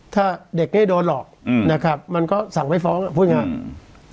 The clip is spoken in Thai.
ถ้าเด็กนี้โดนหลอกอืมนะครับมันก็สั่งไว้ฟ้องอืมพูดอย่างนั้น